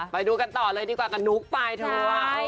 ไปดูกันต่อเลยดีกว่ากับนุ๊กไปด้วย